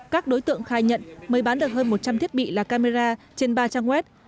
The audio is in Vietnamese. các đối tượng khai nhận mới bán được hơn một trăm linh thiết bị là camera trên ba trang web